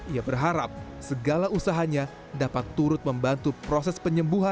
ia berharap segala usahanya dapat turut membantu proses penyembuhan